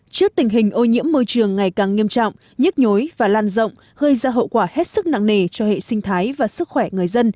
trước tình hình ô nhiễm môi trường ngày càng nghiêm trọng nhức nhối và lan rộng gây ra hậu quả hết sức nặng nề cho hệ sinh thái và sức khỏe người dân